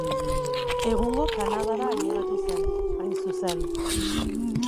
Egungo Kanadara ailegatu zen, hain zuzen.